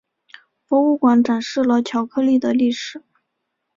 博物馆展示了巧克力的历史。